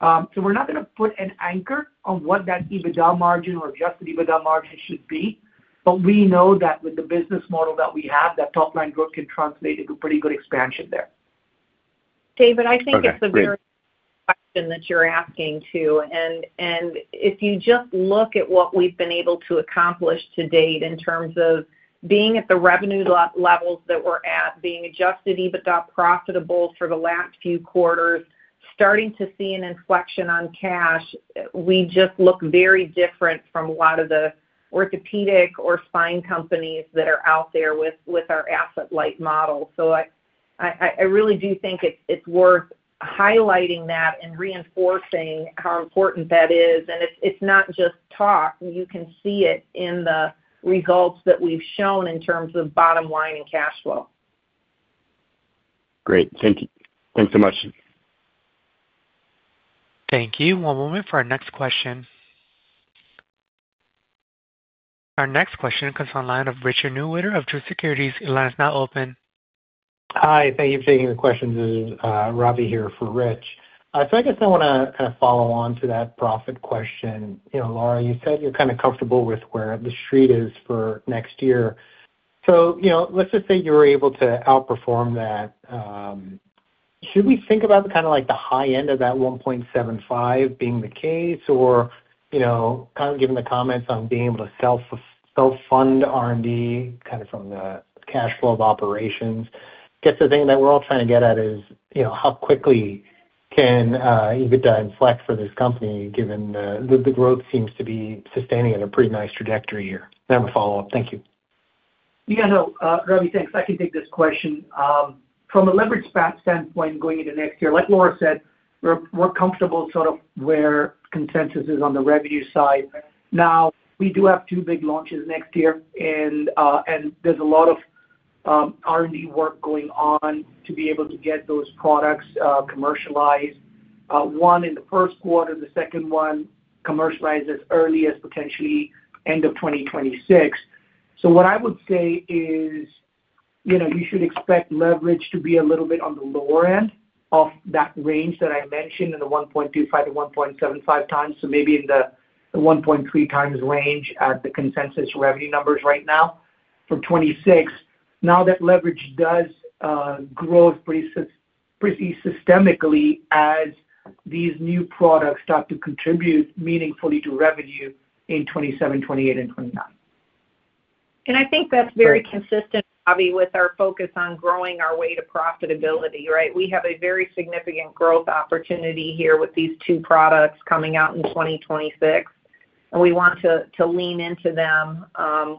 We are not going to put an anchor on what that EBITDA margin or adjusted EBITDA margin should be, but we know that with the business model that we have, that top-line growth can translate into pretty good expansion there. David, I think it's a very good question that you're asking too. If you just look at what we've been able to accomplish to date in terms of being at the revenue levels that we're at, being adjusted EBITDA profitable for the last few quarters, starting to see an inflection on cash, we just look very different from a lot of the orthopedic or spine companies that are out there with our asset-light model. I really do think it's worth highlighting that and reinforcing how important that is. It's not just talk. You can see it in the results that we've shown in terms of bottom line and cash flow. Great. Thank you. Thanks so much. Thank you. One moment for our next question. Our next question comes from the line of Richard Newitter of Truist Securities. Your line is now open. Hi. Thank you for taking the question. This is Robbie here for Rich. I guess I want to kind of follow on to that profit question. Laura, you said you're kind of comfortable with where the street is for next year. Let's just say you were able to outperform that. Should we think about kind of the high end of that 1.75 x being the case or kind of given the comments on being able to self-fund R&D kind of from the cash flow of operations? I guess the thing that we're all trying to get at is how quickly can EBITDA inflect for this company given the growth seems to be sustaining at a pretty nice trajectory here. I have a follow-up. Thank you. Yeah. No, Robbie, thanks. I can take this question. From a leverage standpoint, going into next year, like Laura said, we're comfortable sort of where consensus is on the revenue side. Now, we do have two big launches next year, and there's a lot of R&D work going on to be able to get those products commercialized. One in the first quarter, the second one commercializes as early as potentially end of 2026. What I would say is you should expect leverage to be a little bit on the lower end of that range that I mentioned in the 1.25 x-1.75 x. Maybe in the 1.3 x range at the consensus revenue numbers right now for 2026. That leverage does grow pretty systemically as these new products start to contribute meaningfully to revenue in 2027-2029. I think that's very consistent, Robbie, with our focus on growing our way to profitability, right? We have a very significant growth opportunity here with these two products coming out in 2026, and we want to lean into them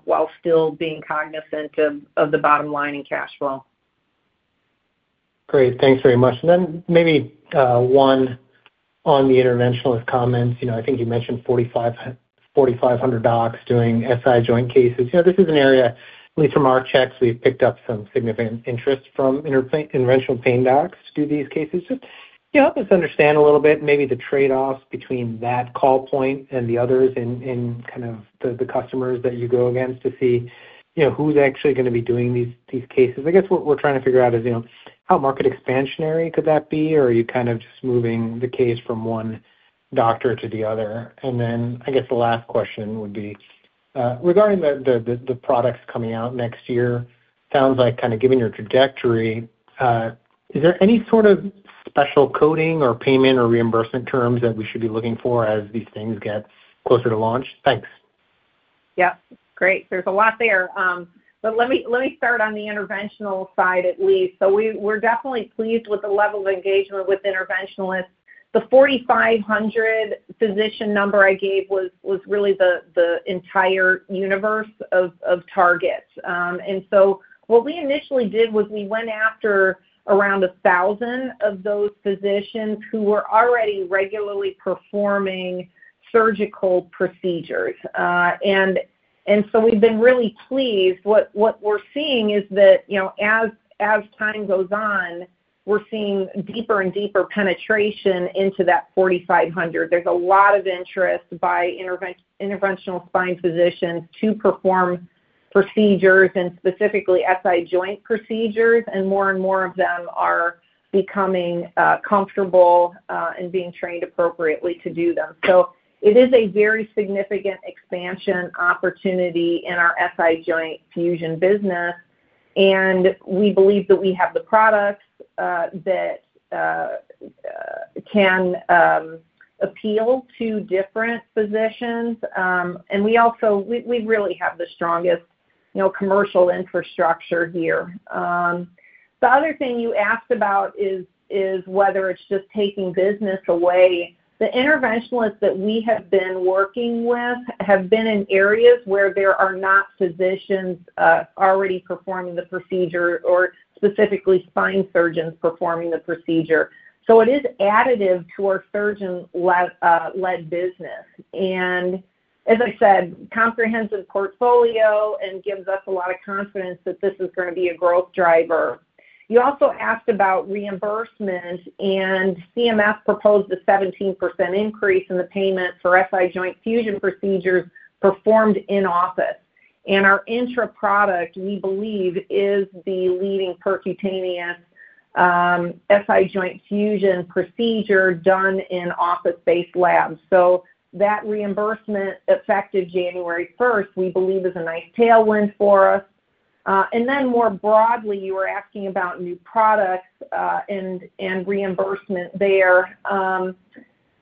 while still being cognizant of the bottom line and cash flow. Great. Thanks very much. Maybe one on the interventionalist comments. I think you mentioned 4,500 docs doing SI joint cases. This is an area, at least from our checks, we've picked up some significant interest from interventional pain docs to do these cases. Just help us understand a little bit maybe the trade-offs between that call point and the others in kind of the customers that you go against to see who's actually going to be doing these cases. I guess what we're trying to figure out is how market expansionary could that be, or are you kind of just moving the case from one doctor to the other? I guess the last question would be regarding the products coming out next year. Sounds like kind of given your trajectory, is there any sort of special coding or payment or reimbursement terms that we should be looking for as these things get closer to launch? Thanks. Yep. Great. There's a lot there. Let me start on the interventional side at least. We're definitely pleased with the level of engagement with interventionalists. The 4,500 physician number I gave was really the entire universe of targets. What we initially did was we went after around 1,000 of those physicians who were already regularly performing surgical procedures. We've been really pleased. What we're seeing is that as time goes on, we're seeing deeper and deeper penetration into that 4,500. is a lot of interest by interventional spine physicians to perform procedures and specifically SI joint procedures, and more and more of them are becoming comfortable and being trained appropriately to do them. It is a very significant expansion opportunity in our SI joint fusion business. We believe that we have the products that can appeal to different physicians. We really have the strongest commercial infrastructure here. The other thing you asked about is whether it is just taking business away. The interventionalists that we have been working with have been in areas where there are not physicians already performing the procedure or specifically spine surgeons performing the procedure. It is additive to our surgeon-led business. As I said, comprehensive portfolio gives us a lot of confidence that this is going to be a growth driver. You also asked about reimbursement, and CMS proposed a 17% increase in the payment for SI joint fusion procedures performed in office. Our INTRA product, we believe, is the leading percutaneous SI joint fusion procedure done in office-based labs. That reimbursement, effective January 1st, we believe, is a nice tailwind for us. More broadly, you were asking about new products and reimbursement there.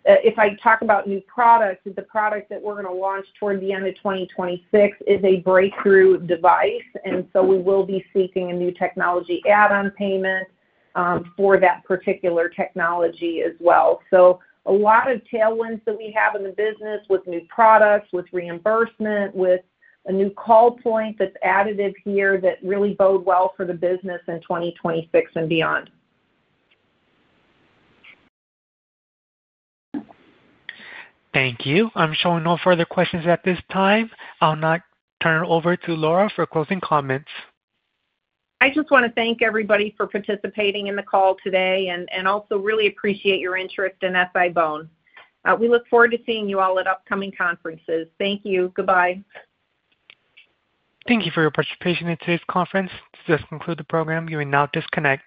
If I talk about new products, the product that we are going to launch toward the end of 2026 is a breakthrough device. We will be seeking a new technology add-on payment for that particular technology as well. A lot of tailwinds that we have in the business with new products, with reimbursement, with a new call point that is additive here, really bodes well for the business in 2026 and beyond. Thank you. I'm showing no further questions at this time. I'll now turn it over to Laura for closing comments. I just want to thank everybody for participating in the call today and also really appreciate your interest in SI-BONE. We look forward to seeing you all at upcoming conferences. Thank you. Goodbye. Thank you for your participation in today's conference. To just conclude the program, you may now disconnect.